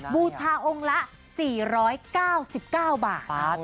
บูชาองค์ละ๔๙๙บาท